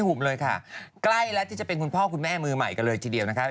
ห่มเลยค่ะใกล้แล้วที่จะเป็นคุณพ่อคุณแม่มือใหม่กันเลยทีเดียวนะคะ